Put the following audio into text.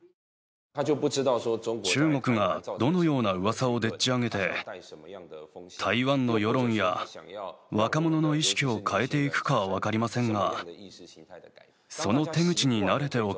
中国がどのようなうわさをでっちあげて台湾の世論や若者の意識を変えていくかは分かりませんが。